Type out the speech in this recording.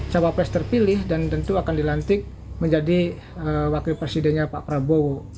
cawapres terpilih dan tentu akan dilantik menjadi wakil presidennya pak prabowo